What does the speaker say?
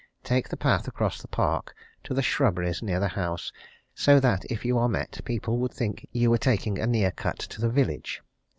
Take the path across the park to the shrubberies near the house, so that if you are met people would think you were taking a near cut to the village.